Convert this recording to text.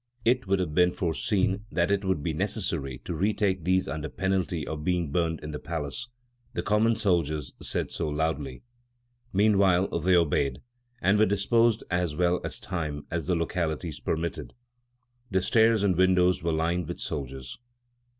It should have been foreseen that it would be necessary to retake these under penalty of being burned in the palace; the common soldiers said so loudly. Meanwhile they obeyed, and were disposed as well as time and the localities permitted. The stairs and windows were lined with soldiers."